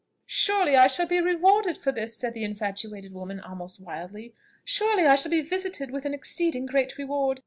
"Surely I shall be rewarded for this!" said the infatuated woman almost wildly. "Surely I shall be visited with an exceeding great reward!